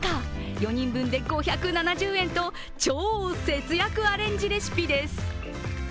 ４人分で５７０円と超節約アレンジレシピです。